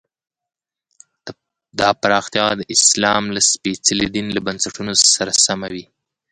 دا پراختیا د اسلام له سپېڅلي دین له بنسټونو سره سمه وي.